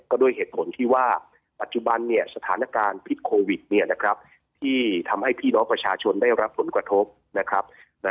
ก็ด้วยเหตุผลที่ว่าปัจจุบันสถานการณ์พิษโควิดที่ทำให้พี่น้องประชาชนได้รับผลกระทบนะครับ